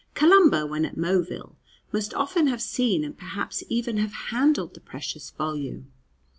Columba, when at Moville, must often have seen and perhaps even have handled the precious volume.